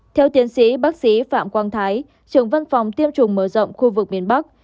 theo tiến sĩ bác sĩ phạm quang thái trưởng văn phòng tiêm chủng mở rộng khu vực miền bắc